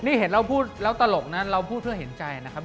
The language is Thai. นี่เห็นเราพูดแล้วตลกนะเราพูดเพื่อเห็นใจนะครับ